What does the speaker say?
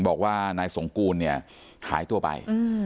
บอกว่านายสงกูลขายตัวไป